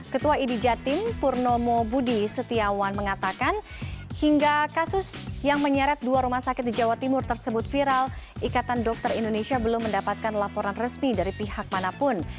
ketua idi jatim purnomo budi setiawan mengatakan hingga kasus yang menyeret dua rumah sakit di jawa timur tersebut viral ikatan dokter indonesia belum mendapatkan laporan resmi dari pihak manapun